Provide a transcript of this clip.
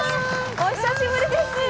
お久しぶりです。